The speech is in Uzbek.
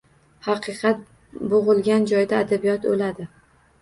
Haqiqat bo‘g‘ilgan joyda adabiyot o‘ladi.